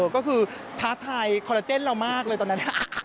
ก็คือท้าทายคอลลาเจนเรามากเลยตอนนั้น